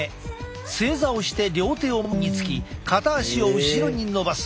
正座をして両手を前につき片足を後ろに伸ばす。